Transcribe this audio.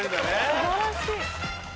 素晴らしい。